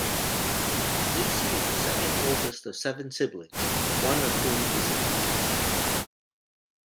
Lacey is the second oldest of seven siblings, one of whom is a teacher.